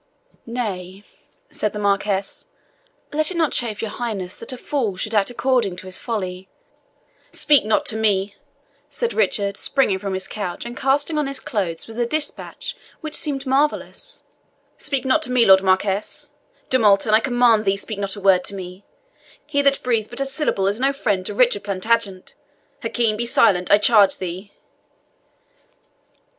"Nay," said the Marquis, "let it not chafe your Highness that a fool should act according to his folly " "Speak not to me," said Richard, springing from his couch, and casting on his clothes with a dispatch which seemed marvellous "Speak not to me, Lord Marquis! De Multon, I command thee speak not a word to me he that breathes but a syllable is no friend to Richard Plantagenet. Hakim, be silent, I charge thee!"